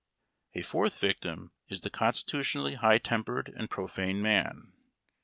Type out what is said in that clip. A fourth victim is the constitutionally high tempered and profane man.